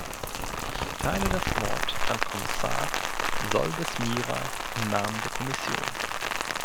Ich erteile das Wort Herrn Kommissar Solbes Mira im Namen der Kommission.